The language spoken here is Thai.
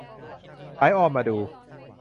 สายออมมาดู